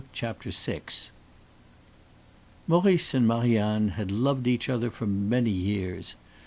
CHAPTER VI Maurice and Marie Anne had loved each other for many years.